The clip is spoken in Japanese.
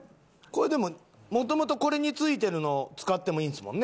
これでも元々これに付いてるの使ってもいいんですもんね？